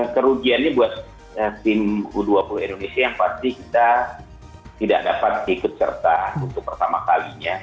kerugiannya buat tim u dua puluh indonesia yang pasti kita tidak dapat ikut serta untuk pertama kalinya